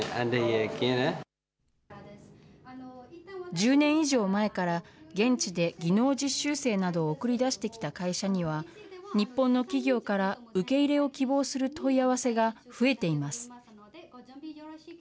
１０年以上前から現地で技能実習生などを送り出してきた会社には、日本の企業から受け入れを希望する問い合わせが増えています。